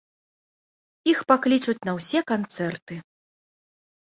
Іх паклічуць на ўсе канцэрты.